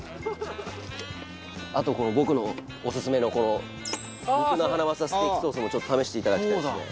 あと僕のオススメのこの肉のハナマサステーキソースもちょっと試していただきたいですね。